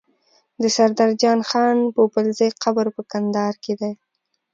د سردار جان خان پوپلزی قبر په کندهار کی دی